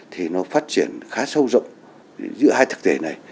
thì nó phát triển khá sâu rộng giữa hai thực thể này